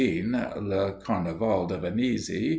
"Le Carnaval de Venise."